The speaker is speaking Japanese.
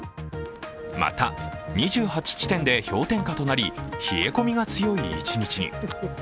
また、２８地点で氷点下となり冷え込みが強い一日に。